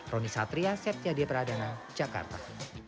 roni satria setia diperadana jakarta